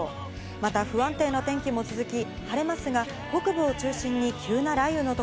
また不安定な天気も続き、晴れますが、北部を中心に急な雷雨のと